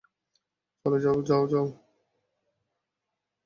চলো, যাও, যাও, যাও, যাও।